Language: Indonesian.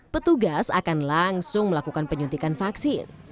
petugas akan langsung melakukan penyuntikan vaksin